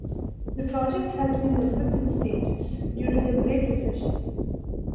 The project has been developed in stages due to the Great Recession.